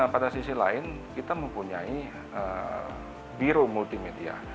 pada sisi lain kita mempunyai biro multimedia